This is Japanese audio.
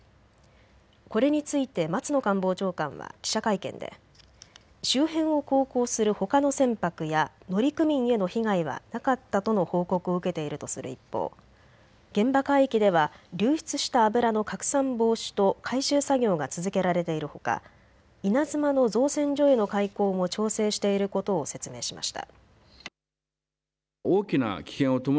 これについて松野官房長官は記者会見で周辺を航行するほかの船舶や乗組員への被害はなかったとの報告を受けているとする一方、現場海域では流出した油の拡散防止と回収作業が続けられているほか、いなづまの造船所への回航も調整していることを説明しました。